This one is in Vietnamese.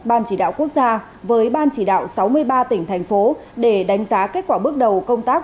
ban chỉ đạo quốc gia với ban chỉ đạo sáu mươi ba tỉnh thành phố để đánh giá kết quả bước đầu công tác